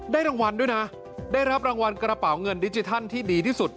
รางวัลด้วยนะได้รับรางวัลกระเป๋าเงินดิจิทัลที่ดีที่สุด